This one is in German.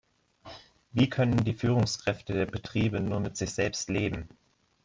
Wie können die Führungskräfte der Betriebe nur mit sich selbst leben?